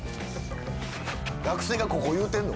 学生がここ言うてんの？